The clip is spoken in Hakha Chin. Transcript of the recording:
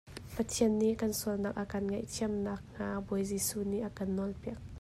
Pathian nih kan sualnak a kan ngaihthiam nak hnga Bawi Jesuh nih a kan nawlpiak.